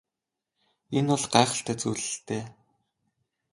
Энэ бол гайхалтай зүйл л дээ.